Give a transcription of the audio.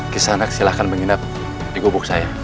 kisanak silahkan menginap di gubuk saya